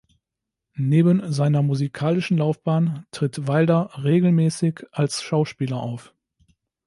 Neben seiner musikalischen Laufbahn tritt Wilder regelmäßig als Schauspieler auf.